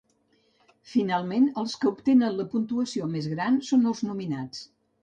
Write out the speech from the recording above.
Finalment, els que obtenen la puntuació més gran són els nominats.